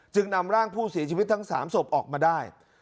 นำร่างผู้เสียชีวิตทั้ง๓ศพออกมาได้